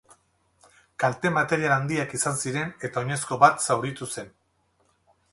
Kalte material handiak izan ziren eta oinezko bat zauritu zen.